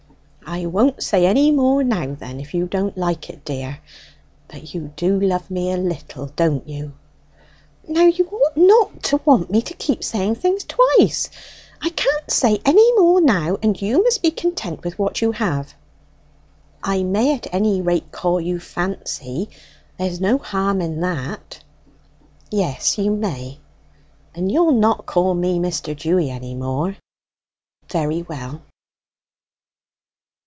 "I won't say any more now, then, if you don't like it, dear. But you do love me a little, don't you?" "Now you ought not to want me to keep saying things twice; I can't say any more now, and you must be content with what you have." "I may at any rate call you Fancy? There's no harm in that." "Yes, you may." "And you'll not call me Mr. Dewy any more?" "Very well."